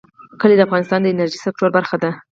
کلي د افغانستان د انرژۍ سکتور برخه ده.